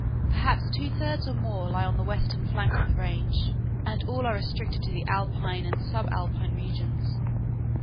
Perhaps two thirds or more lie on the western flank of the range, and all are restricted to the alpine and subalpine regions.